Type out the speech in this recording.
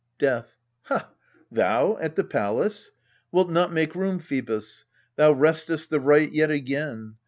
Death. Ha, thou at the palace ! Wilt not make room, Phcebus? thou wrestest the right yet again.